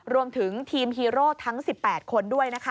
รวมถึงทีมฮีโร่ทั้ง๑๘คนด้วยนะคะ